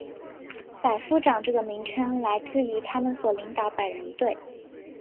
百夫长这个名称来自于他们所领导百人队。